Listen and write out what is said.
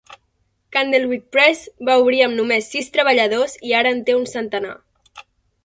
Candlewick Press va obrir amb només sis treballadors i ara en té un centenar.